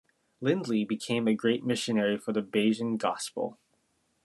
Lindley became a great missionary for the Bayesian gospel.